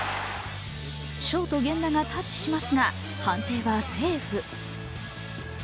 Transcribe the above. ショート・源田がタッチしますが、判定はセーフ。